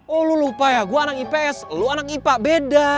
oh lu lupa ya gue anak ips lu anak ipa beda